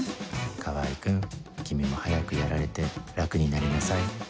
川合君君も早くやられて楽になりなさい